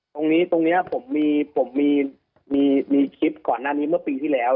ตรงนี้ตรงนี้ผมมีคลิปก่อนหน้านี้เมื่อปีที่แล้ว